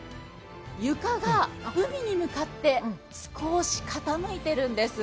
床が海に向かって少し傾いているんです。